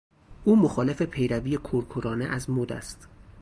او مخالف پیروی کورکورانه از مد است.